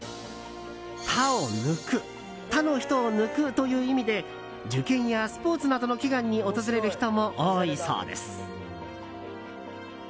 「た」を抜く他の人を抜くという意味で受験やスポーツなどの祈願に訪れる人も多いそうです。